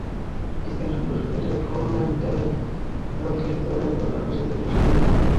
স্পেনের সমুদ্রসৈকত ফরমেনতেরায় জলকেলি করে অবকাশের দিনগুলো স্মরণীয় করে রাখছেন তাঁরা।